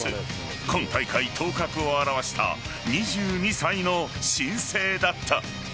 今大会頭角を現した２２歳の新星だった。